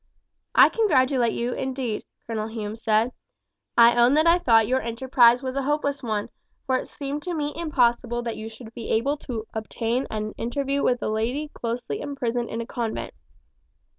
"I congratulate you indeed," Colonel Hume said. "I own that I thought your enterprise was a hopeless one, for it seemed to me impossible that you should be able to obtain an interview with a lady closely imprisoned in a convent.